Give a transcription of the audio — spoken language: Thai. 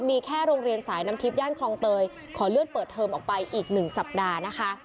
มีแค่โรงเรียนสายน้ำทิพย่านคลองเตยขอเลื่อนเปิดเทอมออกไปอีก๑สัปดาห์นะคะ